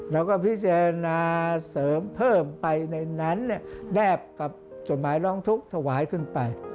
เราก็พิจารณาเสริมเพิ่มไปในนั้นแนบกับจดหมายร้องทุกข์ถวายขึ้นไป